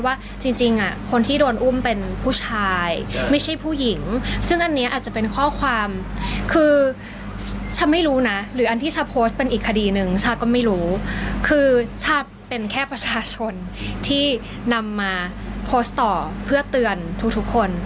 ว่าจริงอ่ะคนที่โดนอุ้มเป็นผู้ชายไม่ใช่ผู้หญิงซึ่งอันนี้อาจจะเป็นข้อความคือฉันไม่รู้นะหรืออันที่ชาโพสต์เป็นอีกคดีนึงชาก็ไม่รู้คือชาเป็นแค่ประชาชนที่นำมาโพสต์ต่อเพื่อเตือนทุกทุกคน